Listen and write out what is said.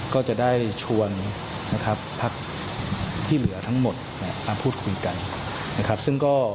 ก็จะได้ชวนพักที่เหลือทั้งหมดมาพูดคุยกัน